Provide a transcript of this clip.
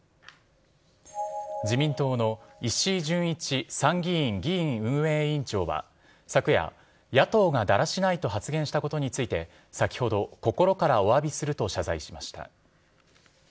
自民党の石井準一参議院議院運営委員長は、昨夜、野党がだらしないと発言したことについて、先ほど、心からおわびすると謝罪しました。